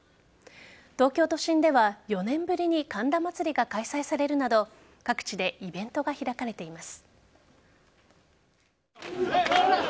東京都心では４年ぶりに神田祭が開催されるなど各地でイベントが開かれています。